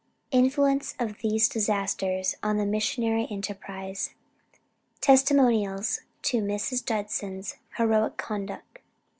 INFLUENCE OF THESE DISASTERS ON THE MISSIONARY ENTERPRISE. TESTIMONIALS TO MRS. JUDSON'S HEROIC CONDUCT.